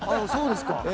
そうですか。